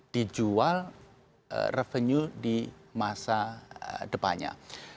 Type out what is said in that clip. dijual revenue di masa depannya